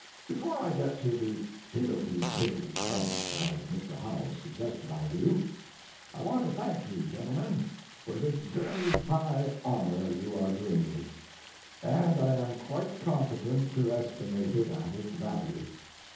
Before I get to the higgledy piggledy point, as Mr. Howells suggested I do, I want to thank you, gentlemen, for this very high honor you are doing me, and I am quite competent to estimate it at its value.